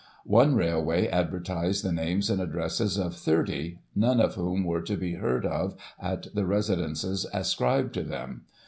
" One Railway advertised the names and addresses of thirty — none of whom were to be heard of at the residences ascribed to them.